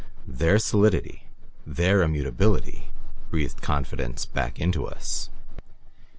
Their solidity, their immutability, breathed confidence back into us.